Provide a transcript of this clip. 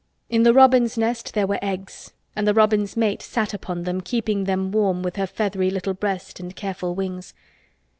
In the robin's nest there were Eggs and the robin's mate sat upon them keeping them warm with her feathery little breast and careful wings.